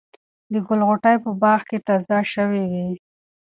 د ګل غوټۍ په باغ کې تازه شوې وې.